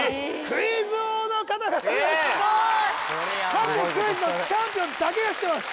各クイズのチャンピオンだけが来てます